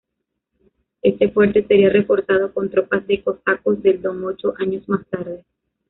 Este fuerte sería reforzado con tropas de cosacos del Don ocho años más tarde.